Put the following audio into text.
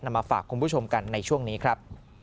มาฝากคุณผู้ชมกันในช่วงนี้ครับ